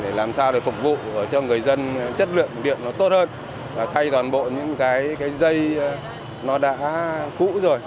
để làm sao để phục vụ cho người dân chất lượng điện nó tốt hơn và thay toàn bộ những cái dây nó đã cũ rồi